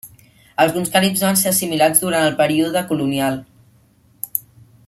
Alguns caribs van ser assimilats durant el període colonial.